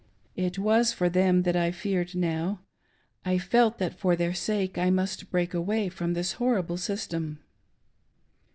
It was for them that I feared now,^ I felt that for their sake I must break away from this horrible system.